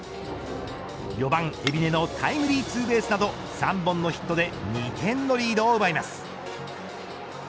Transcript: ４番、海老根のタイムリーツーベースなど３本のヒットで２点のリードを奪います。